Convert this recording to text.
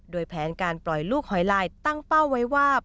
โดยแผนการปล่อยลูกหอยลายตั้งเป้าไว้ว่า